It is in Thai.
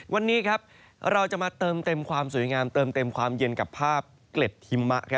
วันนี้ครับเราจะมาเติมเต็มความสวยงามเติมเต็มความเย็นกับภาพเกล็ดหิมะ